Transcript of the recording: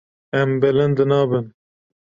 Em bilind nabin.